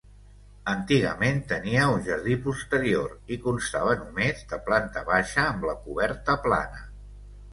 Antigament tenia un jardí posterior, i constava només de planta baixa amb la coberta plana.